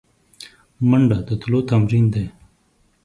منډه د تلو تمرین دی